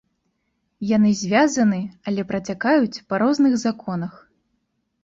Яны звязаны, але працякаюць па розных законах.